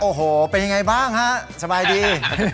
โอ้โหเป็นยังไงบ้างฮะสบายดี